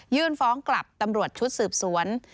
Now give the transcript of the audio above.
ฟ้องกลับตำรวจชุดสืบสวน